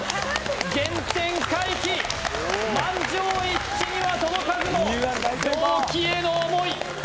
原点回帰満場一致には届かずも同期への思い